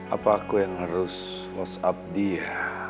apa aku yang harus whatsapp dia